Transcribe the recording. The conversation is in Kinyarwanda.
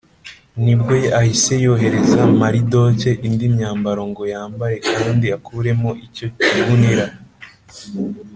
ni bwo ahise yoherereza maridoke indi myambaro ngo yambare kandi akuremo icyo kigunira